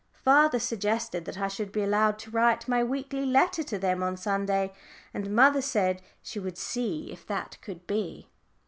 Father suggested that I should be allowed to write my weekly letter to them on Sunday, and mamma said she would see if that could be.